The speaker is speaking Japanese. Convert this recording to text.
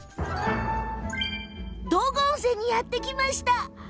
道後温泉にやって来ました。